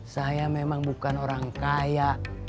saya memang bukan orang kaya